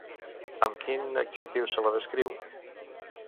Amb quin adjectiu se la descriu?